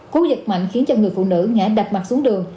cú giật mạnh khiến cho người phụ nữ ngã đập mặt xuống đường